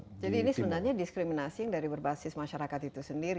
jadi ini sebenarnya diskriminasi dari berbasis masyarakat itu sendiri ya